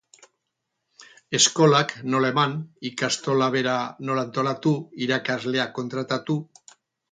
Eskolak nola eman, ikastola bera nola antolatu, irakasleak kontratatu...